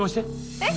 えっ！